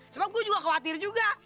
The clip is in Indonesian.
cuma gue juga khawatir juga